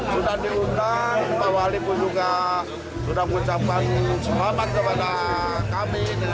sudah diundang pak wali pun juga sudah mengucapkan selamat kepada kami dan kawan kawan